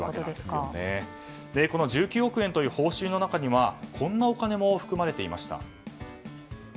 この１９億円という報酬の中にはこんなお金も含まれていました。